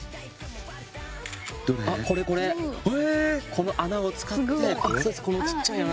この穴を使ってこのちっちゃい穴です。